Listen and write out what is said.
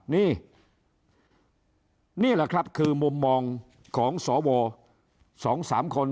นี่นี่แหละครับคือมุมมองของสว๒๓คน